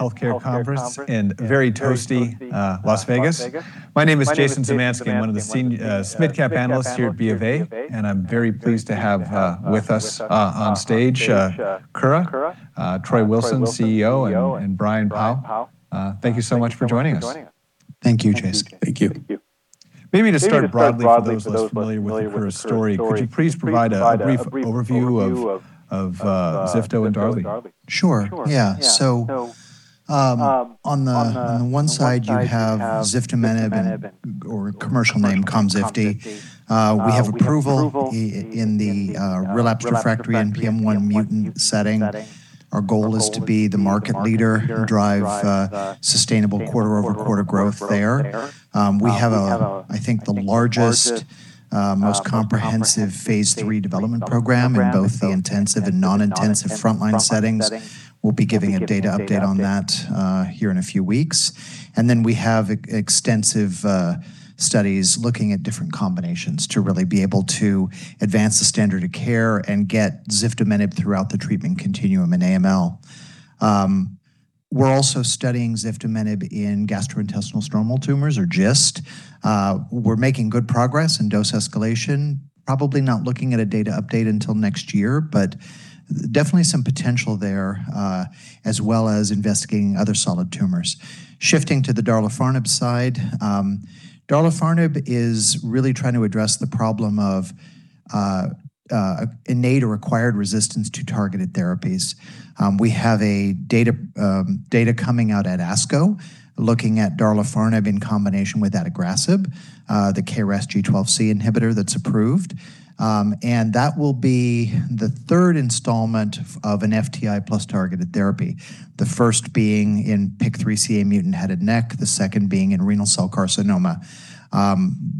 Healthcare conference in very toasty, Las Vegas. My name is Jason Zemansky. I'm one of the senior, small-cap analysts here at BofA, and I'm very pleased to have with us on stage Kura, Troy Wilson, CEO, and Brian Powl. Thank you so much for joining us. Thank you, Jason. Thank you. Maybe to start broadly for those less familiar with the Kura story, could you please provide a brief overview of ziftomenib and darlifarnib? Sure. Yeah. On the, on the one side you have ziftomenib and, or commercial name KOMZIFTI. We have approval in the, relapsed refractory NPM1 mutant setting. Our goal is to be the market leader and drive sustainable quarter-over-quarter growth there. We have a, I think the largest, most comprehensive phase III development program in both the intensive and non-intensive frontline settings. We'll be giving a data update on that here in a few weeks. We have extensive studies looking at different combinations to really be able to advance the standard of care and get ziftomenib throughout the treatment continuum in AML. We're also studying ziftomenib in gastrointestinal stromal tumors, or GIST. We're making good progress in dose escalation. Probably not looking at a data update until next year, but definitely some potential there, as well as investigating other solid tumors. Shifting to the darlifarnib side, darlifarnib is really trying to address the problem of innate or acquired resistance to targeted therapies. We have a data coming out at ASCO looking at darlifarnib in combination with adagrasib, the KRAS G12C inhibitor that's approved. That will be the third installment of an FTI plus targeted therapy. The first being in PIK3CA mutant head and neck, the second being in renal cell carcinoma.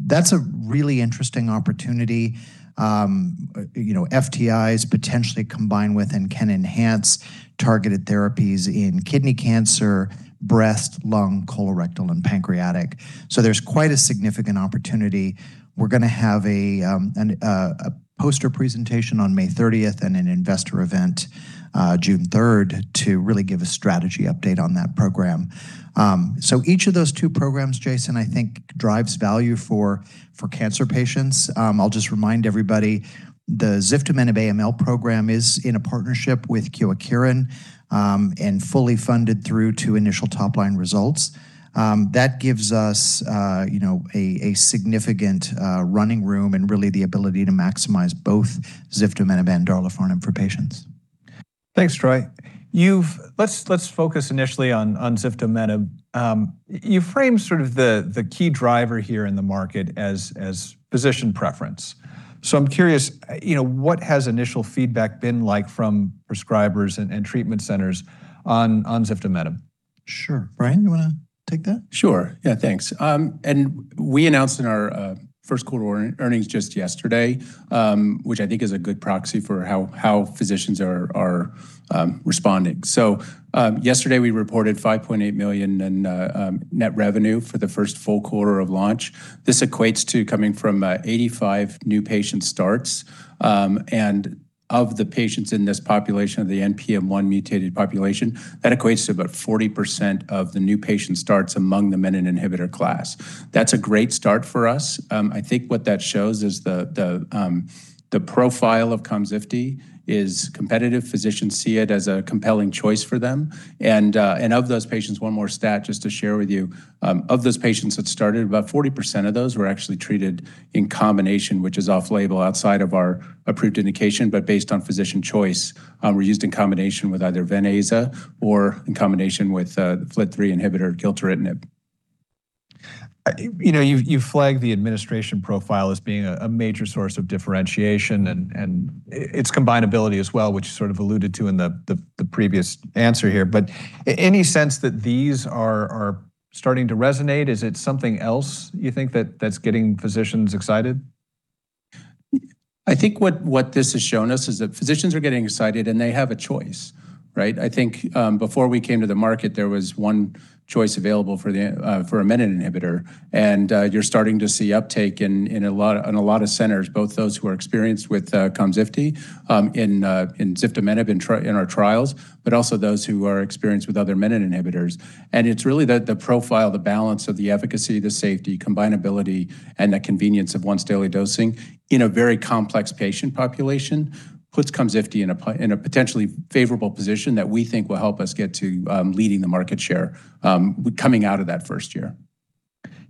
That's a really interesting opportunity. You know, FTIs potentially combine with and can enhance targeted therapies in kidney cancer, breast, lung, colorectal, and pancreatic. There's quite a significant opportunity. We're gonna have a poster presentation on 30th May and an investor event, 3rd June to really give a strategy update on that program. So each of those two programs, Jason, I think drives value for cancer patients. I'll just remind everybody, the ziftomenib AML program is in a partnership with Kyowa Kirin and fully funded through to initial top-line results. That gives us, you know, a significant running room and really the ability to maximize both ziftomenib and darlifarnib for patients. Thanks, Troy. Let's focus initially on ziftomenib. You framed sort of the key driver here in the market as physician preference. I'm curious, you know, what has initial feedback been like from prescribers and treatment centers on ziftomenib? Sure. Brian, you wanna take that? Sure. Yeah, thanks. We announced in our first quarter earnings just yesterday, which I think is a good proxy for how physicians are responding. Yesterday we reported 5.8 million in net revenue for the first full quarter of launch. This equates to coming from 85 new patient starts. Of the patients in this population, of the NPM1 mutated population, that equates to about 40% of the new patient starts among the menin inhibitor class. That's a great start for us. I think what that shows is the profile of KOMZIFTI is competitive. Physicians see it as a compelling choice for them. Of those patients, 1 more stat just to share with you, of those patients that started, about 40% of those were actually treated in combination, which is off-label outside of our approved indication, but based on physician choice, were used in combination with either Venclexta or in combination with the FLT3 inhibitor, gilteritinib. You know, you flagged the administration profile as being a major source of differentiation and its combinability as well, which you sort of alluded to in the previous answer here. Any sense that these are starting to resonate? Is it something else you think that's getting physicians excited? I think what this has shown us is that physicians are getting excited and they have a choice, right? I think, before we came to the market, there was one choice available for the for a menin inhibitor, you're starting to see uptake in a lot of centers, both those who are experienced with KOMZIFTI, in ziftomenib in our trials, but also those who are experienced with other menin inhibitors. It's really the profile, the balance of the efficacy, the safety, combinability, and the convenience of once-daily dosing in a very complex patient population puts KOMZIFTI in a potentially favorable position that we think will help us get to leading the market share coming out of that first year.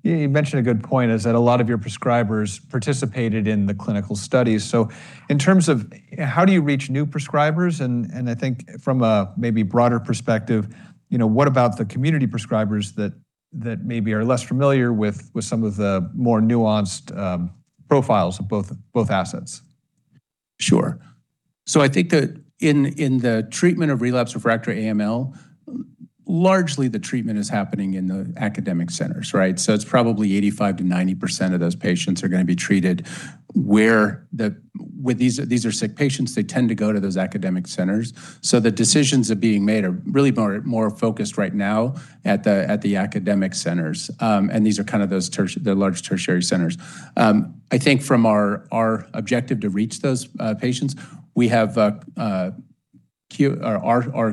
You mentioned a good point, is that a lot of your prescribers participated in the clinical studies. In terms of how do you reach new prescribers, and I think from a maybe broader perspective, you know, what about the community prescribers that maybe are less familiar with some of the more nuanced profiles of both assets? Sure. I think that in the treatment of relapsed refractory AML, largely the treatment is happening in the academic centers, right? It's probably 85%-90% of those patients are gonna be treated. With these are sick patients, they tend to go to those academic centers. The decisions that are being made are really more focused right now at the academic centers. These are kind of those large tertiary centers. I think from our objective to reach those patients, we have our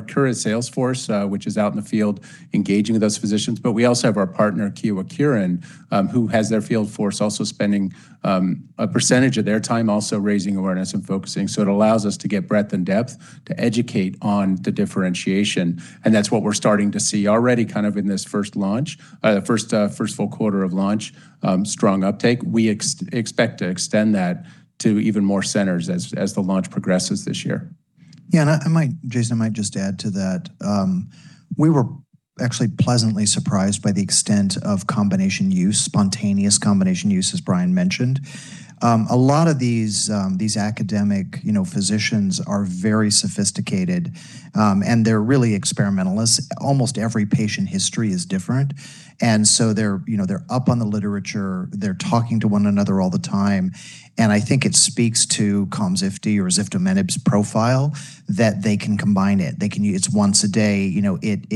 current sales force, which is out in the field engaging with those physicians, but we also have our partner, Kyowa Kirin, who has their field force also spending a percentage of their time also raising awareness and focusing. It allows us to get breadth and depth to educate on the differentiation, and that's what we're starting to see already kind of in this first full quarter of launch, strong uptake. We expect to extend that to even more centers as the launch progresses this year. Yeah. I might, Jason, I might just add to that. We were actually pleasantly surprised by the extent of combination use, spontaneous combination use, as Brian Powl mentioned. A lot of these academic, you know, physicians are very sophisticated, and they're really experimentalists. Almost every patient history is different. They're, you know, they're up on the literature. They're talking to one another all the time. I think it speaks to KOMZIFTI or ziftomenib's profile that they can combine it. They can It's once a day. You know, it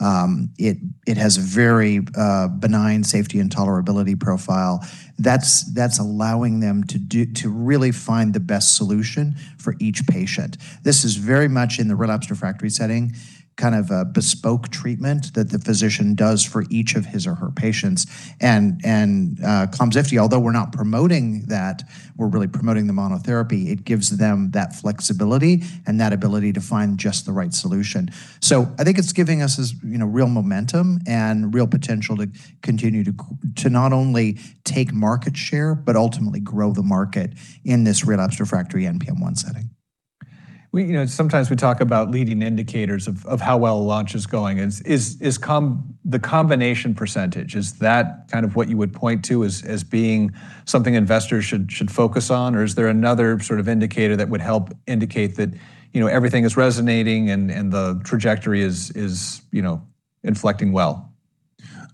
has very benign safety and tolerability profile. That's allowing them to do, to really find the best solution for each patient. This is very much in the relapsed refractory setting, kind of a bespoke treatment that the physician does for each of his or her patients. KOMZIFTI, although we're not promoting that, we're really promoting the monotherapy, it gives them that flexibility and that ability to find just the right solution. I think it's giving us this, you know, real momentum and real potential to continue to not only take market share, but ultimately grow the market in this relapsed refractory NPM1 setting. We, you know, sometimes we talk about leading indicators of how well a launch is going. Is the combination percentage, is that kind of what you would point to as being something investors should focus on? Or is there another sort of indicator that would help indicate that, you know, everything is resonating and the trajectory is, you know, inflecting well?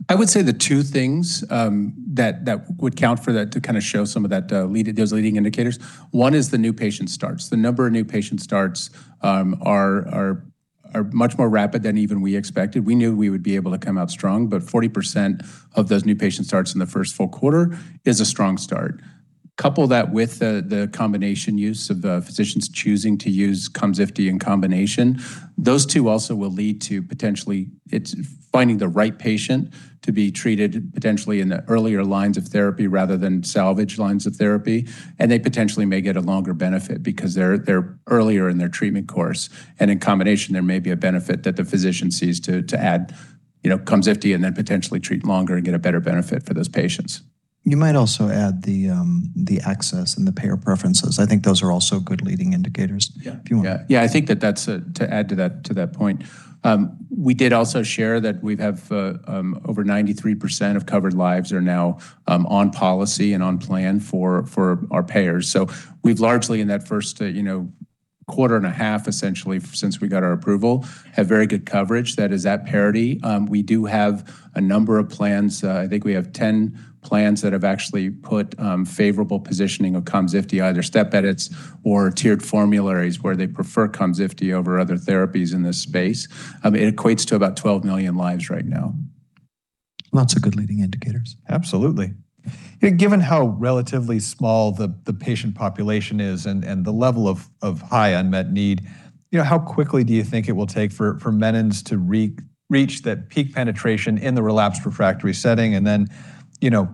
I would say the two things that would count for that to kind of show some of that lead to those leading indicators, one is the new patient starts. The number of new patient starts are much more rapid than even we expected. We knew we would be able to come out strong, but 40% of those new patient starts in the first full quarter is a strong start. Couple that with the combination use of physicians choosing to use KOMZIFTI in combination, those two also will lead to potentially it's finding the right patient to be treated potentially in the earlier lines of therapy rather than salvage lines of therapy, and they potentially may get a longer benefit because they're earlier in their treatment course. In combination, there may be a benefit that the physician sees to add, you know, KOMZIFTI and then potentially treat longer and get a better benefit for those patients. You might also add the access and the payer preferences. I think those are also good leading indicators. Yeah. If you want. Yeah. Yeah, to add to that point, we did also share that we have over 93% of covered lives are now on policy and on plan for our payers. We've largely in that first, you know, quarter and a half, essentially, since we got our approval, have very good coverage that is at parity. We do have a number of plans, I think we have 10 plans that have actually put favorable positioning of KOMZIFTI, either step edits or tiered formularies where they prefer KOMZIFTI over other therapies in this space. It equates to about 12 million lives right now. Lots of good leading indicators. Absolutely. Given how relatively small the patient population is and the level of high unmet need, you know, how quickly do you think it will take for menins to re-reach that peak penetration in the relapsed refractory setting? Then, you know,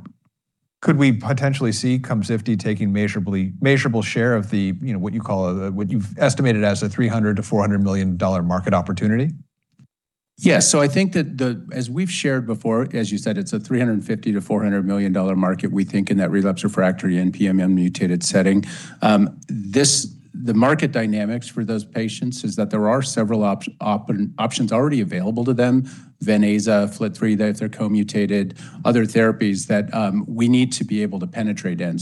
could we potentially see KOMZIFTI taking measurable share of the, you know, what you call, what you've estimated as a $300 million to $400 million market opportunity? Yes. I think that the, as we've shared before, as you said, it's a $350 million to $400 million market, we think, in that relapsed refractory NPM1 mutated setting. The market dynamics for those patients is that there are several options already available to them, Venclexta, FLT3, if they're co-mutated, other therapies that we need to be able to penetrate in.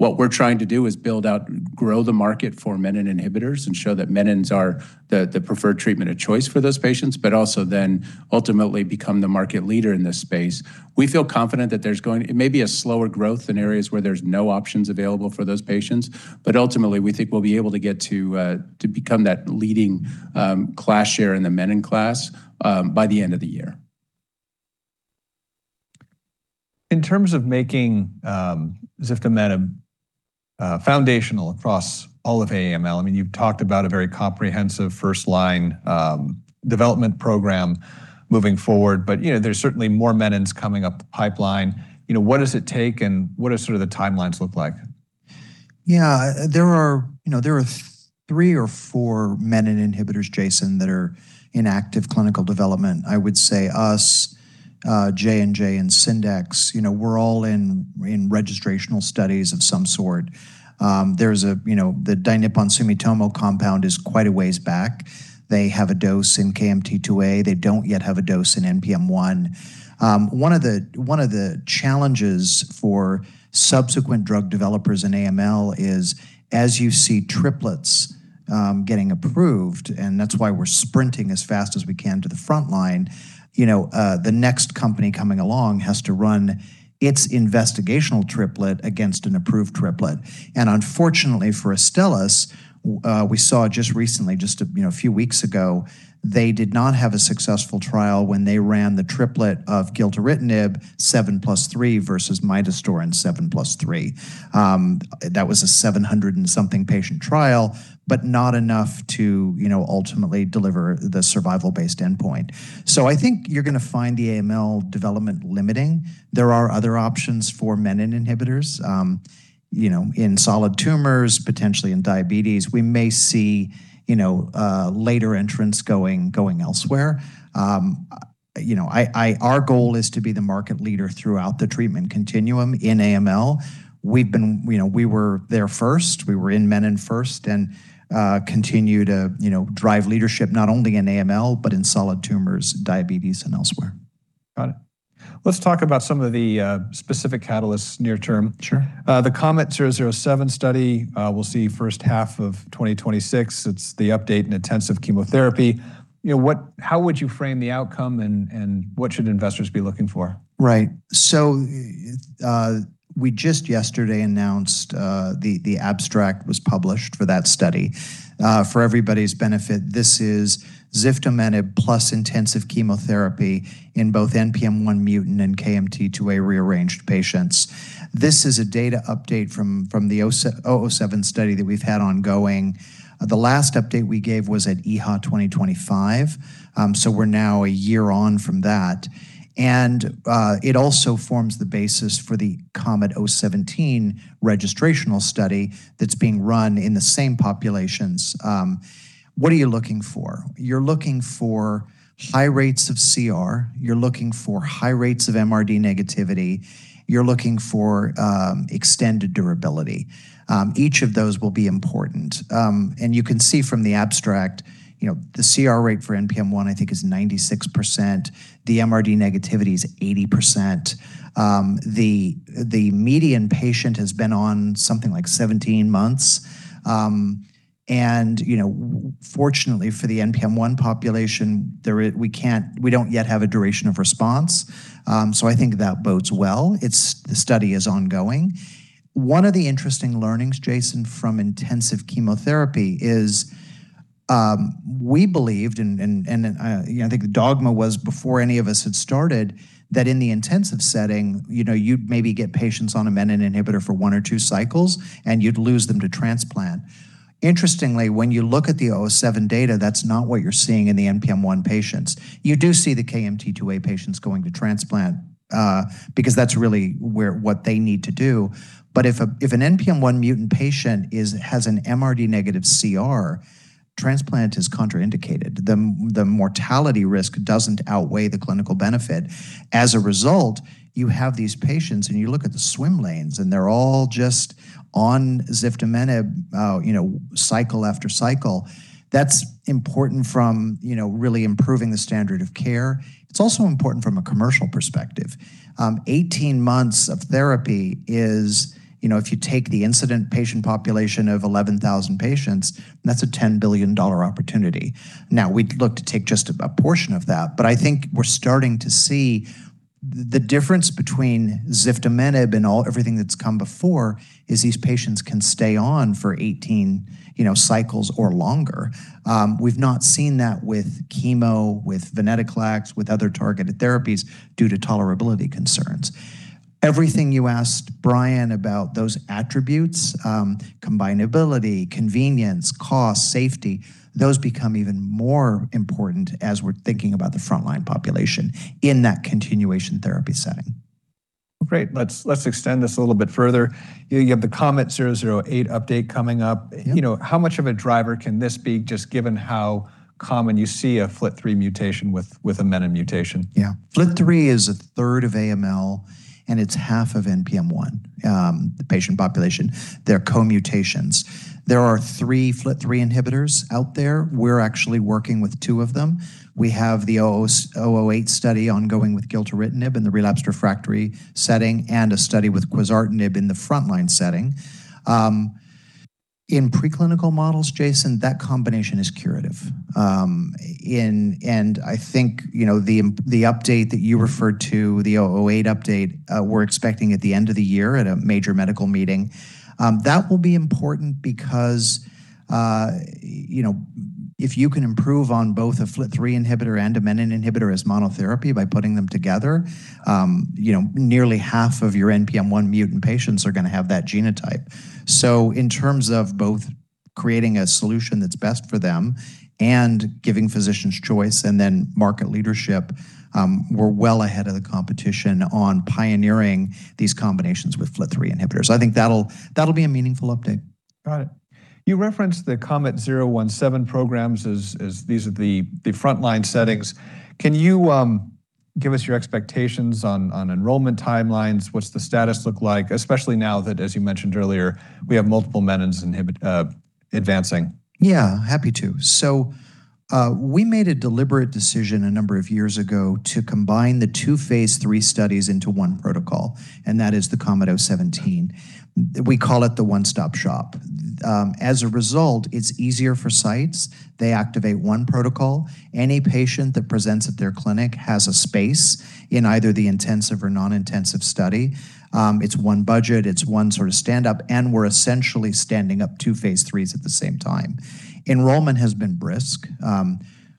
What we're trying to do is build out, grow the market for menin inhibitors and show that menins are the preferred treatment of choice for those patients, but also then ultimately become the market leader in this space. We feel confident that it may be a slower growth in areas where there's no options available for those patients, but ultimately, we think we'll be able to get to become that leading class share in the menin class by the end of the year. In terms of making, Ziftomenib, foundational across all of AML, I mean, you've talked about a very comprehensive first-line, development program moving forward, but, you know, there's certainly more menins coming up the pipeline. You know, what does it take, and what does sort of the timelines look like? Yeah. There are, you know, there are three or four menin inhibitors, Jason Zemansky, that are in active clinical development. I would say us, J&J and Syndax, you know, we're all in registrational studies of some sort. There's a, you know, the Sumitomo Pharma compound is quite a ways back. They have a dose in KMT2A. They don't yet have a dose in NPM1. One of the challenges for subsequent drug developers in AML is, as you see triplets getting approved, and that's why we're sprinting as fast as we can to the frontline, you know, the next company coming along has to run its investigational triplet against an approved triplet. Unfortunately for Astellas, we saw just recently, just a, you know, few weeks ago, they did not have a successful trial when they ran the triplet of gilteritinib 7+3 versus midostaurin 7+3. That was a 700 and something patient trial, not enough to, you know, ultimately deliver the survival-based endpoint. I think you're gonna find the AML development limiting. There are other options for menin inhibitors, you know, in solid tumors, potentially in diabetes. We may see, you know, later entrants going elsewhere. You know, our goal is to be the market leader throughout the treatment continuum in AML. We've been, you know, we were there first, we were in menin first, continue to, you know, drive leadership not only in AML, but in solid tumors, diabetes, and elsewhere. Got it. Let's talk about some of the specific catalysts near term. Sure. The KOMET-007 study, we'll see first half of 2026. It's the update in intensive chemotherapy. You know, how would you frame the outcome and what should investors be looking for? Right. We just yesterday announced the abstract was published for that study. For everybody's benefit, this is ziftomenib plus intensive chemotherapy in both NPM1 mutant and KMT2A rearranged patients. This is a data update from the KOMET-007 study that we've had ongoing. The last update we gave was at EHA 2025, we're now a year on from that. It also forms the basis for the KOMET-017 registrational study that's being run in the same populations. What are you looking for? You're looking for high rates of CR. You're looking for high rates of MRD negativity. You're looking for extended durability. Each of those will be important. You can see from the abstract, you know, the CR rate for NPM1 I think is 96%. The MRD negativity is 80%. The, the median patient has been on something like 17 months. You know, fortunately for the NPM1 population, there we don't yet have a duration of response, so I think that bodes well. It's. The study is ongoing. One of the interesting learnings, Jason, from intensive chemotherapy is, we believed, and, you know, I think the dogma was before any of us had started, that in the intensive setting, you know, you'd maybe get patients on a menin inhibitor for one or two cycles, and you'd lose them to transplant. Interestingly, when you look at the KOMET-007 data, that's not what you're seeing in the NPM1 patients. You do see the KMT2A patients going to transplant, because that's really where what they need to do. If an NPM1 mutant patient has an MRD negative CR, transplant is contraindicated. The mortality risk doesn't outweigh the clinical benefit. As a result, you have these patients, and you look at the swim lanes, and they're all just on ziftomenib, you know, cycle after cycle. That's important from, you know, really improving the standard of care. It's also important from a commercial perspective. 18 months of therapy is, you know, if you take the incident patient population of 11,000 patients, that's a $10 billion opportunity. Now, we'd look to take just a portion of that, but I think we're starting to see the difference between ziftomenib and all, everything that's come before is these patients can stay on for 18, you know, cycles or longer. We've not seen that with chemo, with venetoclax, with other targeted therapies due to tolerability concerns. Everything you asked Brian about those attributes, combinability, convenience, cost, safety, those become even more important as we're thinking about the frontline population in that continuation therapy setting. Great. Let's extend this a little bit further. You have the KOMET-008 update coming up. Yep. You know, how much of a driver can this be just given how common you see a FLT3 mutation with a menin mutation? Yeah. FLT3 is 1/3 of AML, and it's 1/2 of NPM1, the patient population. They're co-mutations. There are three FLT3 inhibitors out there. We're actually working with two of them. We have the KOMET-008 study ongoing with gilteritinib in the relapsed refractory setting and a study with quizartinib in the frontline setting. In preclinical models, Jason, that combination is curative. I think, you know, the update that you referred to, the KOMET-008 update, we're expecting at the end of the year at a major medical meeting. That will be important because, you know, if you can improve on both a FLT3 inhibitor and a menin inhibitor as monotherapy by putting them together, you know, nearly 1/2 of your NPM1 mutant patients are gonna have that genotype. In terms of both creating a solution that's best for them and giving physicians choice and then market leadership, we're well ahead of the competition on pioneering these combinations with FLT3 inhibitors. I think that'll be a meaningful update. Got it. You referenced the KOMET-017 programs as these are the frontline settings. Can you give us your expectations on enrollment timelines? What's the status look like, especially now that, as you mentioned earlier, we have multiple menin inhibitors advancing? Yeah, happy to. We made a deliberate decision a number of years ago to combine the 2 phase III studies into one protocol, and that is the KOMET-017. We call it the one-stop shop. As a result, it's easier for sites. They activate one protocol. Any patient that presents at their clinic has a space in either the intensive or non-intensive study. It's one budget, it's one sort of stand-up, and we're essentially standing up 2 phase III at the same time. Enrollment has been brisk.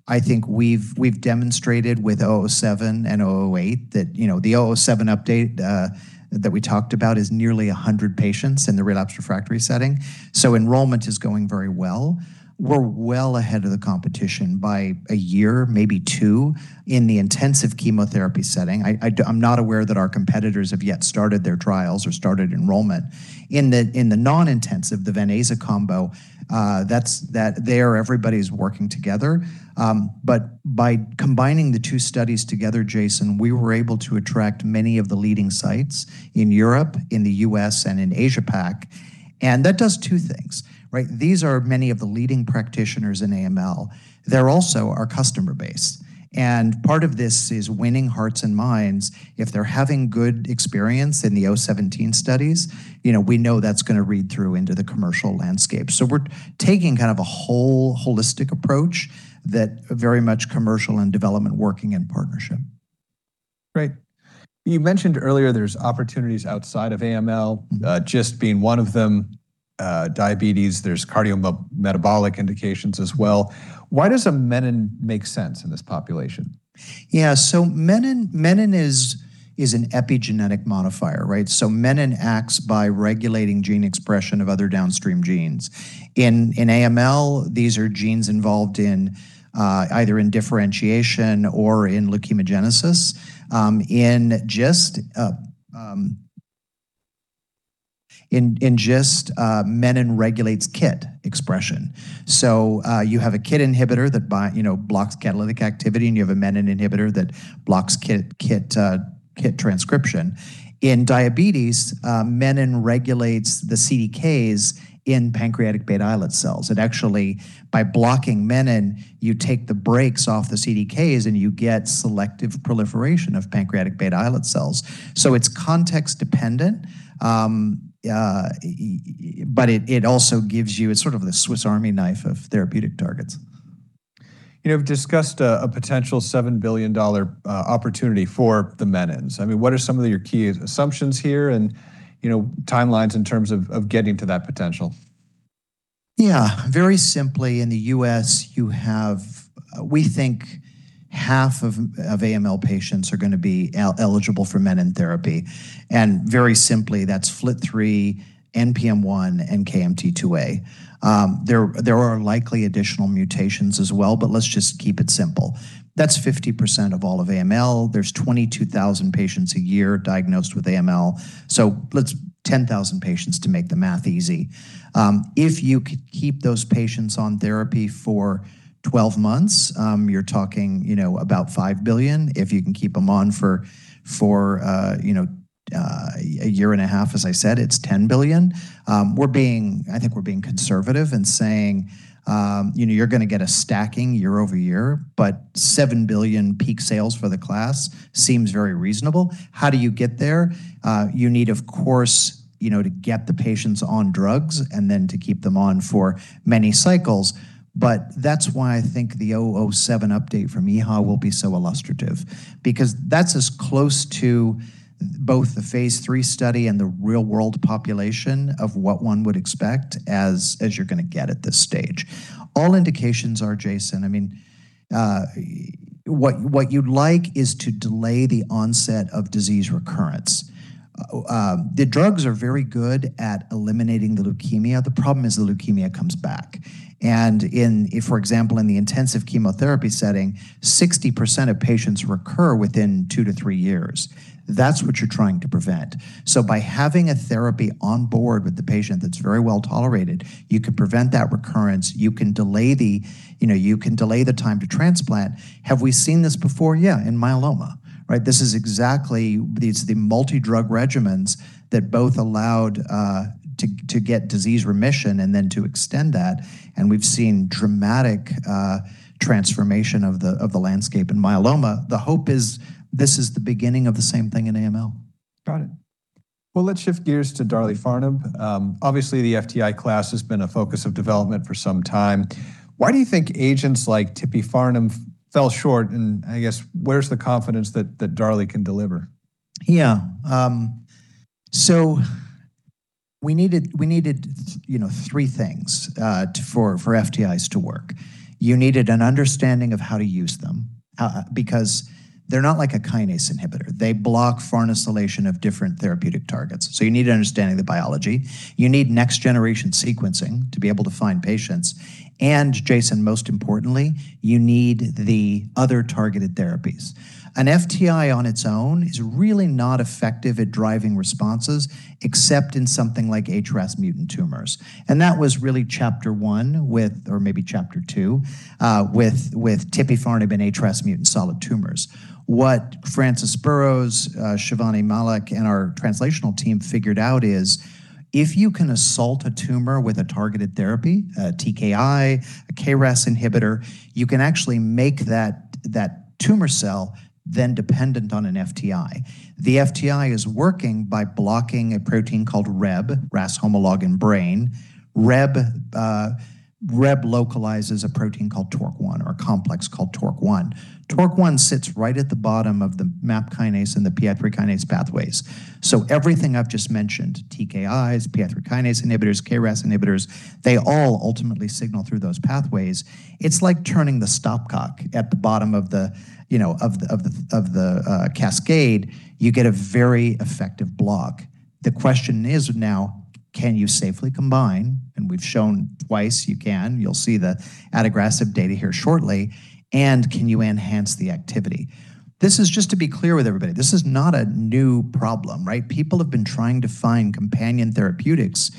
I think we've demonstrated with 007 and 008 that, you know, the 007 update that we talked about is nearly 100 patients in the relapsed refractory setting, enrollment is going very well. We're well ahead of the competition by one year, maybe two, in the intensive chemotherapy setting. I'm not aware that our competitors have yet started their trials or started enrollment. In the non-intensive, the venetoclax combo, everybody's working together. By combining the two studies together, Jason, we were able to attract many of the leading sites in Europe, in the U.S., and in Asia-Pac. That does two things, right? These are many of the leading practitioners in AML. They're also our customer base, and part of this is winning hearts and minds. If they're having good experience in the 017 studies, you know, we know that's gonna read through into the commercial landscape. We're taking kind of a whole holistic approach that very much commercial and development working in partnership. Great. You mentioned earlier there's opportunities outside of AML, just being one of them, diabetes, there's cardiometabolic indications as well. Why does a menin make sense in this population? Menin is an epigenetic modifier, right? Menin acts by regulating gene expression of other downstream genes. In AML, these are genes involved in either in differentiation or in leukemogenesis. In GIST, menin regulates KIT expression. You have a KIT inhibitor that, you know, blocks catalytic activity, and you have a menin inhibitor that blocks KIT transcription. In diabetes, menin regulates the CDKs in pancreatic beta islet cells. It actually, by blocking menin, you take the brakes off the CDKs, and you get selective proliferation of pancreatic beta islet cells. It's context dependent, but it also gives you It's sort of the Swiss Army knife of therapeutic targets. You have discussed a potential $7 billion opportunity for the menins. I mean, what are some of your key assumptions here and, you know, timelines in terms of getting to that potential? Yeah. Very simply, in the U.S., you have, we think 50% of AML patients are going to be eligible for menin therapy, and very simply, that's FLT3, NPM1, and KMT2A. There are likely additional mutations as well, but let's just keep it simple. That's 50% of all of AML. There's 22,000 patients a year diagnosed with AML. Let's 10,000 patients to make the math easy. If you could keep those patients on therapy for 12 months, you're talking, you know, about $5 billion. If you can keep them on for, you know, a year and a half, as I said, it's $10 billion. I think we're being conservative and saying, you know, you're going to get a stacking year-over-year, but $7 billion peak sales for the class seems very reasonable. How do you get there? You need, of course, you know, to get the patients on drugs and then to keep them on for many cycles. That's why I think the 007 update from EHA will be so illustrative because that's as close to both the phase III study and the real-world population of what one would expect as you're gonna get at this stage. All indications are, Jason, I mean, what you'd like is to delay the onset of disease recurrence. The drugs are very good at eliminating the leukemia. The problem is the leukemia comes back. In, for example, in the intensive chemotherapy setting, 60% of patients recur within two to three years. That's what you're trying to prevent. By having a therapy on board with the patient that's very well tolerated, you could prevent that recurrence. You know, you can delay the time to transplant. Have we seen this before? Yeah, in myeloma. Right? This is exactly these, the multi-drug regimens that both allowed to get disease remission and then to extend that. We've seen dramatic transformation of the landscape in myeloma. The hope is this is the beginning of the same thing in AML. Got it. Well, let's shift gears to darlifarnib. Obviously, the FTI class has been a focus of development for some time. Why do you think agents like tipifarnib fell short, and I guess where's the confidence that darli can deliver? We needed, you know, three things, for FTIs to work. You needed an understanding of how to use them. Because they're not like a kinase inhibitor. They block farnesylation of different therapeutic targets. You need an understanding of the biology. You need next-generation sequencing to be able to find patients. Jason Zemansky, most importantly, you need the other targeted therapies. An FTI on its own is really not effective at driving responses except in something like HRAS mutant tumors. That was really chapter one with, or maybe chapter two, with tipifarnib in HRAS mutant solid tumors. What Francis Burrows, Shivani Malik, and our translational team figured out is if you can assault a tumor with a targeted therapy, a TKI, a KRAS inhibitor, you can actually make that tumor cell then dependent on an FTI. The FTI is working by blocking a protein called Rheb, Ras homolog enriched in brain. Rheb localizes a protein called mTORC1 or a complex called mTORC1. mTORC1 sits right at the bottom of the MAP kinase and the PI3 kinase pathways. Everything I've just mentioned, TKIs, PI3 kinase inhibitors, KRAS inhibitors, they all ultimately signal through those pathways. It's like turning the stopcock at the bottom of the, you know, of the cascade. You get a very effective block. The question is now, can you safely combine? We've shown twice you can. You'll see the adagrasib data here shortly. Can you enhance the activity? This is just to be clear with everybody, this is not a new problem, right? People have been trying to find companion therapeutics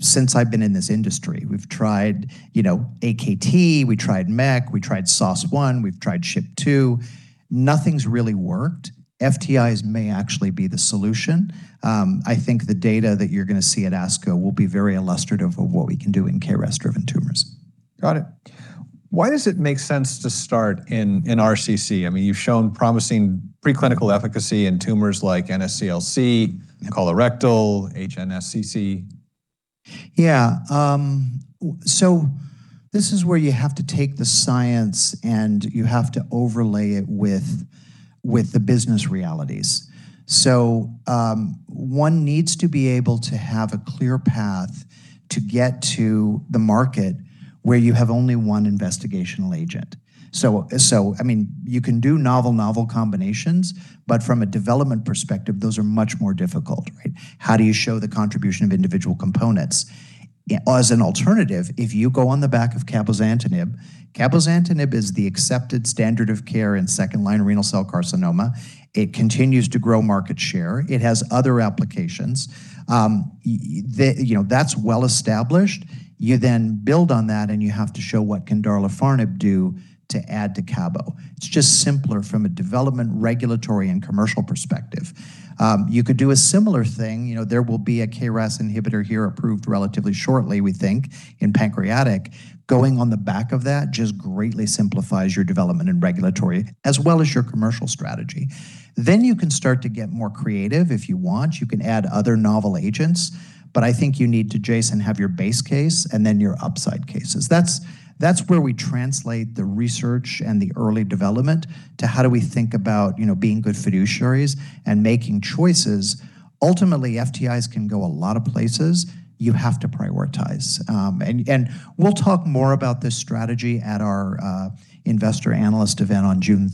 since I've been in this industry. We've tried, you know, AKT, we tried MEK, we tried SOS1, we've tried SHP2. Nothing's really worked. FTIs may actually be the solution. I think the data that you're gonna see at ASCO will be very illustrative of what we can do in KRAS-driven tumors. Got it. Why does it make sense to start in RCC? I mean, you've shown promising preclinical efficacy in tumors like NSCLC, colorectal, HNSCC. Yeah. This is where you have to take the science, and you have to overlay it with the business realities. One needs to be able to have a clear path to get to the market where you have only one investigational agent. I mean, you can do novel combinations, from a development perspective, those are much more difficult, right? How do you show the contribution of individual components? As an alternative, if you go on the back of cabozantinib is the accepted standard of care in second-line renal cell carcinoma. It continues to grow market share. It has other applications. You know, that's well established. You build on that, you have to show what can darlifarnib do to add to cabo. It's just simpler from a development, regulatory, and commercial perspective. You could do a similar thing. You know, there will be a KRAS inhibitor here approved relatively shortly, we think, in pancreatic. Going on the back of that just greatly simplifies your development and regulatory as well as your commercial strategy. You can start to get more creative if you want. You can add other novel agents. I think you need to, Jason Zemansky, have your base case and then your upside cases. That's, that's where we translate the research and the early development to how do we think about, you know, being good fiduciaries and making choices. Ultimately, FTIs can go a lot of places. You have to prioritize. We'll talk more about this strategy at our investor analyst event on 3 June.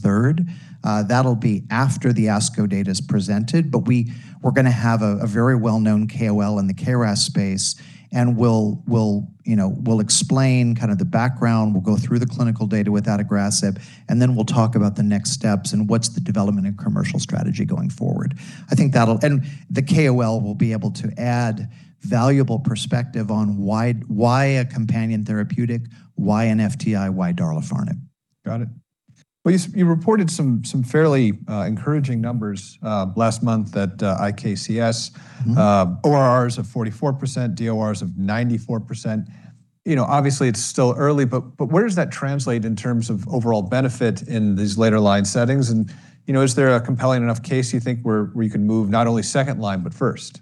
That'll be after the ASCO data is presented. We're gonna have a very well-known KOL in the KRAS space, and we'll, you know, we'll explain kind of the background. We'll go through the clinical data with adagrasib, and then we'll talk about the next steps and what's the development and commercial strategy going forward. I think that'll the KOL will be able to add valuable perspective on why a companion therapeutic, why an FTI, why darlifarnib. Got it. Well, you reported some fairly encouraging numbers last month at IKCS ORRs of 44%, DORs of 94%. You know, obviously, it's still early, but where does that translate in terms of overall benefit in these later line settings? You know, is there a compelling enough case you think where you can move not only second line, but first?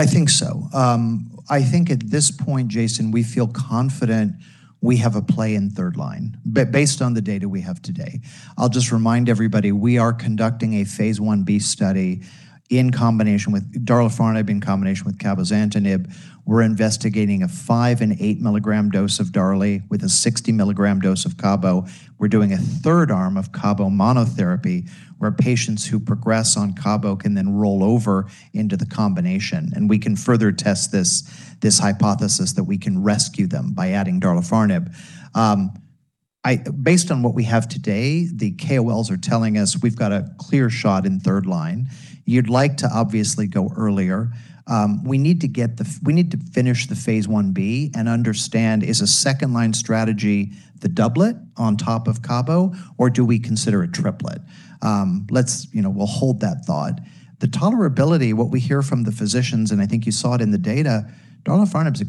I think so. I think at this point, Jason Zemansky, we feel confident we have a play in third line based on the data we have today. I'll just remind everybody, we are conducting a phase I-B study in combination with darlifarnib in combination with cabozantinib. We're investigating a five and 8 mg dose of darali with a 60 mg dose of cabo. We're doing a third arm of cabo monotherapy, where patients who progress on cabo can then roll over into the combination. We can further test this hypothesis that we can rescue them by adding darlifarnib. Based on what we have today, the KOLs are telling us we've got a clear shot in third line. You'd like to obviously go earlier. We need to get we need to finish the phase I-B and understand, is a second line strategy the doublet on top of cabo, or do we consider a triplet? Let's, you know, we'll hold that thought. The tolerability, what we hear from the physicians, and I think you saw it in the data, darlifarnib's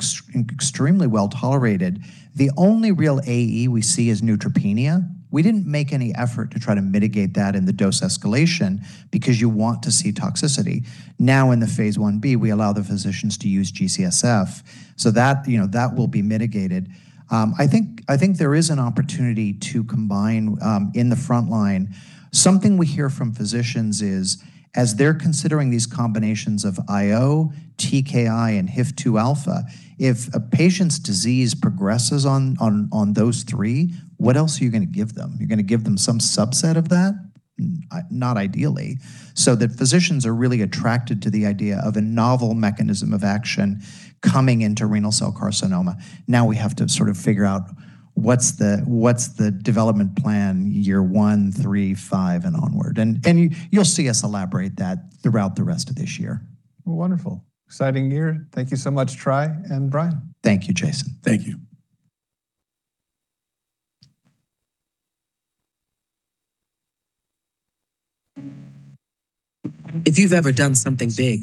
extremely well-tolerated. The only real AE we see is neutropenia. We didn't make any effort to try to mitigate that in the dose escalation because you want to see toxicity. Now in the phase I-B, we allow the physicians to use G-CSF, so that, you know, that will be mitigated. I think there is an opportunity to combine in the front line. Something we hear from physicians is, as they're considering these combinations of IO, TKI, and HIF-2 alpha, if a patient's disease progresses on those three, what else are you going to give them? You going to give them some subset of that? Not ideally. The physicians are really attracted to the idea of a novel mechanism of action coming into renal cell carcinoma. Now we have to sort of figure out what's the development plan year one, three, five, and onward. You'll see us elaborate that throughout the rest of this year. Well, wonderful. Exciting year. Thank you so much, Troy and Brian. Thank you, Jason. Thank you.